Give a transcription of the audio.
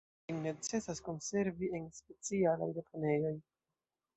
Ĝin necesas konservi en specialaj deponejoj.